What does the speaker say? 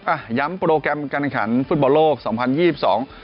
นะครับย้ำโปรแกรมการขันฟุตเบาะโลก๒๐๒๒